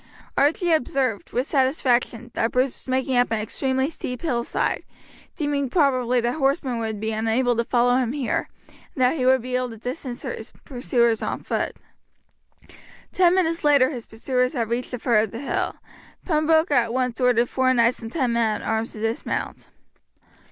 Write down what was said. Archie observed, with satisfaction, that Bruce was making up an extremely steep hillside, deeming probably that horsemen would be unable to follow him here, and that he would be able to distance pursuers on foot. Ten minutes later his pursuers had reached the foot of the hill. Pembroke at once ordered four knights and ten men at arms to dismount.